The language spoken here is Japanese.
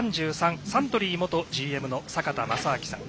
サントリー元ＧＭの坂田正彰さん。